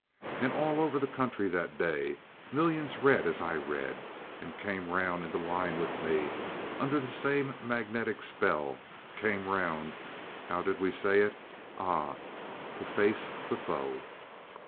And all over the country that day, millions read as I read, and came round into line with me, under the same magnetic spell, came round—how did we say it?—Ah!—"to face the foe."